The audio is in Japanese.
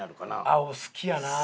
青好きやなあ。